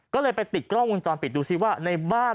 ก็เลยไปติดกล้องวงจรปิดดูซิว่าในบ้าน